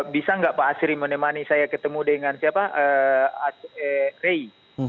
bisa nggak pak asri menemani saya ketemu dengan siapa rey